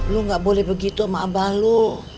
lu gak boleh begitu sama abah lu